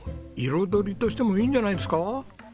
彩りとしてもいいんじゃないですか。